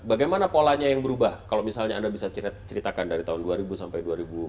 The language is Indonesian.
bagaimana polanya yang berubah kalau misalnya anda bisa ceritakan dari tahun dua ribu sampai dua ribu dua puluh